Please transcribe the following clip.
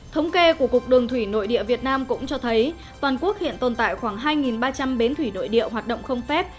thống kê của cục đường thủy nội địa việt nam cũng cho thấy toàn quốc hiện tồn tại khoảng hai ba trăm linh bến thủy nội địa hoạt động không phép